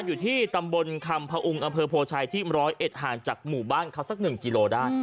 อยู่ที่ตำบลคำพระองค์อำเภอโพชัยที่ร้อยเอ็ดห่างจากหมู่บ้านเขาสักหนึ่งกิโลได้